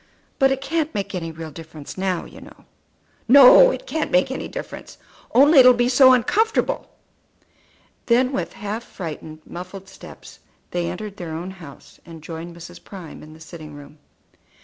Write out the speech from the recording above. But it can't make any real difference now, you know." "No; it can't make any difference. Only it will be so uncomfortable." Then with half frightened, muffled steps they entered their own house, and joined Mrs. Prime in the sitting room. Mrs.